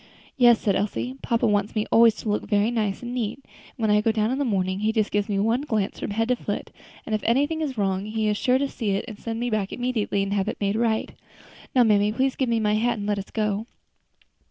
"Yes," said Elsie, "papa wants me always to look very nice and neat; and when I go down in the morning he just gives me one glance from head to foot, and if anything is wrong he is sure to see it and send me back immediately to have it made right. Now, mammy, please give me my hat and let us go."